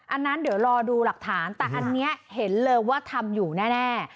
อันนั้นเดี๋ยวรอดูหลักฐานแต่อันนี้เห็นเลยว่าทำอยู่แน่